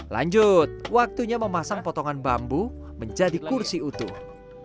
lanjut waktunya memasang potongan bambu menjadi kursi utuh